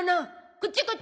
こっちこっち。